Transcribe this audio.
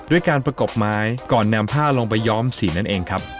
ด้วยการประกบไม้ก่อนนำผ้าลงไปย้อมสีนั่นเองครับ